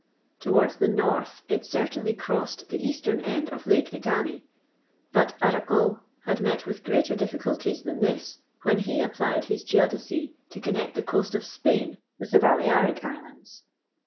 Towards the north it certainly crossed the eastern end of Lake Ngami, but Arago had met with greater difficulties than this when he applied his geodesy to connect the coast of Spain with the Balearic Islands.